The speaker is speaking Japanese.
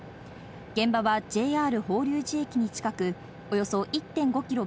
現場はＪＲ法隆寺駅に近く、およそ１．５キロ